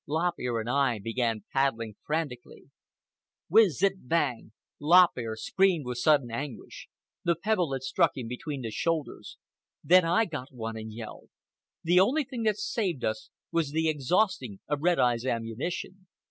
Lop Ear and I began paddling frantically. Whiz zip bang! Lop Ear screamed with sudden anguish. The pebble had struck him between the shoulders. Then I got one and yelled. The only thing that saved us was the exhausting of Red Eye's ammunition.